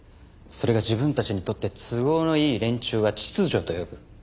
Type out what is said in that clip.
それが自分たちにとって都合のいい連中は秩序と呼ぶ。